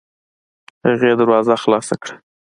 هغې دروازه خلاصه کړه.